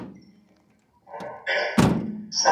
دا ماشوم له پخوا هوښیار دی.